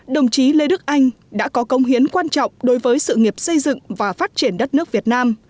đồng chí lê đức anh đã có công hiến quan trọng đối với sự nghiệp xây dựng và phát triển đất nước việt nam